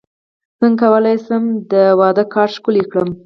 څنګه کولی شم د واده کارت ښکلی کړم